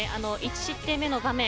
１失点目の場面